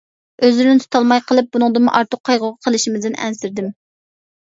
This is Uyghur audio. ئۆزلىرىنى تۇتالماي قىلىپ بۇنىڭدىنمۇ ئارتۇق قايغۇغا قىلىشىمىزدىن ئەنسىرىدىم.